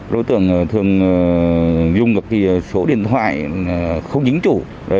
đối tượng thường dùng các số điện thoại không chính chủ